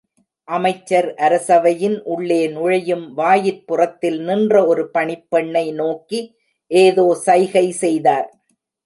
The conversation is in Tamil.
அமைச்சர் அரசவையின் உள்ளே நுழையும் வாயிற்புறத்தில் நின்ற ஒரு பணிப் பெண்ணை நோக்கி ஏதோ சைகை செய்தார்.